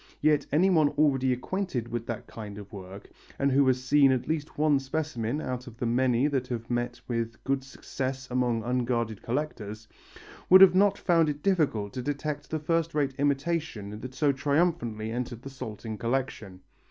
Yet anyone already acquainted with that kind of work, and who had seen at least one specimen out of the many that have met with good success among unguarded collectors, would not have found it difficult to detect the first rate imitation that so triumphantly entered the Salting collection.